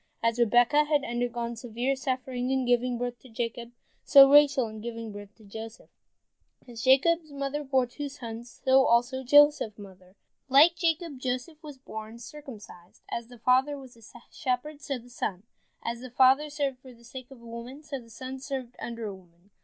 As Rebekah had undergone severe suffering in giving birth to Jacob, so Rachel in giving birth to Joseph. As Jacob's mother bore two sons, so also Joseph's mother. Like Jacob, Joseph was born circumcised. As the father was a shepherd, so the son. As the father served for the sake of a woman, so the son served under a woman.